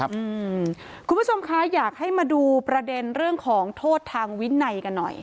คุณผู้ชมคะอยากให้มาดูประเด็นเรื่องของโทษทางวินัยกันหน่อย